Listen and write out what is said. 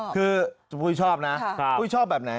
คือคุณผู้ชอบนะคุณผู้ชอบแบบไหน